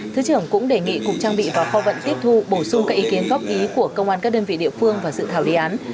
thứ trưởng cũng đề nghị cục trang bị và kho vận tiếp thu bổ sung các ý kiến góp ý của công an các đơn vị địa phương và dự thảo đề án